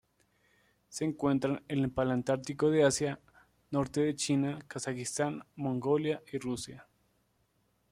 Se encuentran en el paleártico de Asia: norte de China, Kazajistán, Mongolia y Rusia.